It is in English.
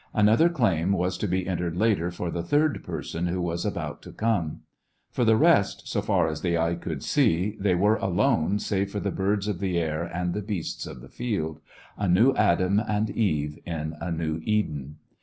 Another claim was to be entered later for the third person who was about to come. For the rest, so far as the eye could see, they were alone save for the birds of the air and the beasts of the field — a new Adam and Eve in a new Eden.